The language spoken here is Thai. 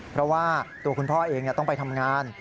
เพราะว่าตัวคุณพ่อเองต้องไปทำงาน